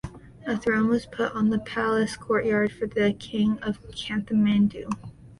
A throne was put on the palace courtyard for the king of Kathmandu.